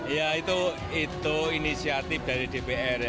ya itu inisiatif dari dpr ya